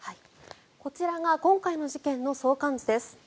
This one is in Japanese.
こちらが今回の事件の相関図です。